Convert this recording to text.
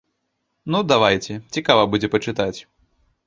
Ну давайце, цікава будзе пачытаць.